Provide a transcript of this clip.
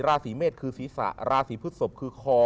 ราศีเมษคือศีรษะราศีพฤศพคือคอ